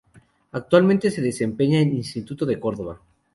Actualmente se desempeña en Instituto de Córdoba.